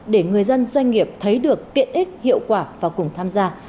để người dân doanh nghiệp thấy được tiện ích hiệu quả và cùng tham gia